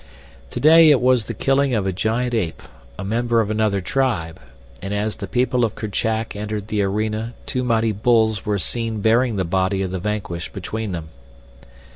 Today it was the killing of a giant ape, a member of another tribe, and as the people of Kerchak entered the arena two mighty bulls were seen bearing the body of the vanquished between them.